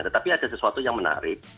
tetapi ada sesuatu yang menarik